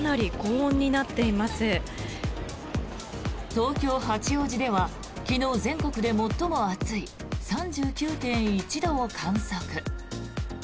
東京・八王子では昨日、全国で最も暑い３９．１度を観測。